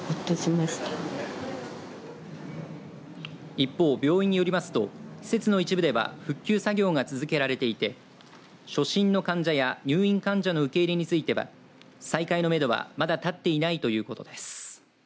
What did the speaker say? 一方、病院によりますと施設の一部では復旧作業が続けられていて初診の患者や入院患者の受け入れについては再開のめどはまだ立っていないということです。